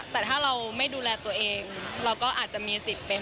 แต่ถ้าเราไม่ดูแลตัวเองเราก็อาจจะมีสิทธิ์เป็น